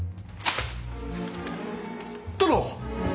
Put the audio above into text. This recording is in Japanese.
殿！